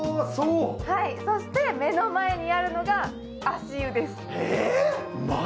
そして目の前にあるのが足湯です。